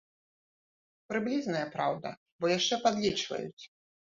Прыблізная, праўда, бо яшчэ падлічваюць.